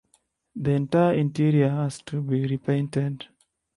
The entire interior has to be repainted.